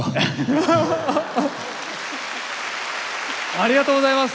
ありがとうございます！